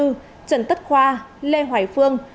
trần tất khoa lê hoài phương